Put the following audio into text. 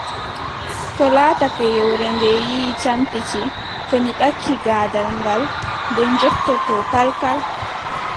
To laatake yewre nde ƴiƴe campiti, to mi ɓakki gaadal ngaal, ɗe njoototoo kalkal.